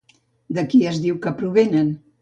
De qui es diu que provenen?